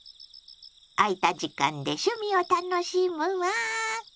空いた時間で趣味を楽しむわ。